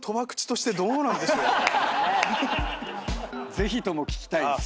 ぜひとも聞きたいです。